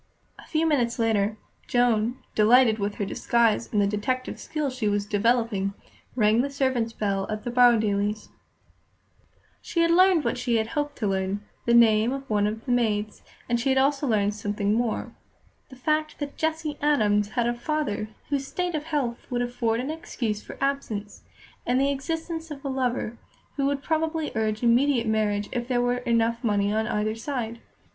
A few minutes later, Joan, delighted with her disguise and the detective skill she was developing, rang the servants' bell at the Borrowdailes'. She had learned what she had hoped to learn, the name of one of the maids, and she had also learned something more the fact that Jessie Adams had a father whose state of health would afford an excuse for absence; and the existence of a lover, who would probably urge immediate marriage if there were enough money on either side.